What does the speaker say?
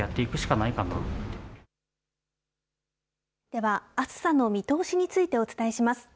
では、暑さの見通しについてお伝えします。